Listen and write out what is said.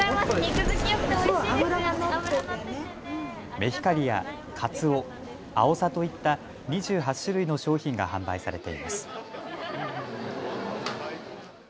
メヒカリやカツオ、アオサといった２８種類の商品が販売されています。